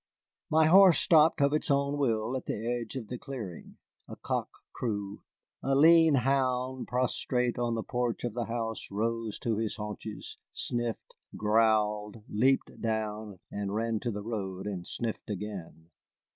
My horse stopped of his own will at the edge of the clearing. A cock crew, a lean hound prostrate on the porch of the house rose to his haunches, sniffed, growled, leaped down, and ran to the road and sniffed again.